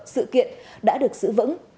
sự kiện đã được xử vững